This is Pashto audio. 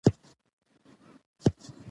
ابن بطوطه وايي چې ششنغار ته ورسېدلو.